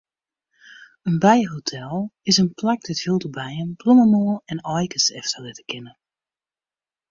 In bijehotel is in plak dêr't wylde bijen blommemoal en aaikes efterlitte kinne.